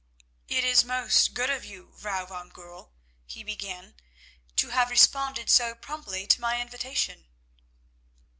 "It is most good of you, Vrouw van Goorl," he began, "to have responded so promptly to my invitation."